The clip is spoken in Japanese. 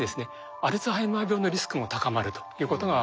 アルツハイマー病のリスクも高まるということが分かっています。